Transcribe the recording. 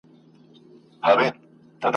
چي په تیاره کي عدالت غواړي ..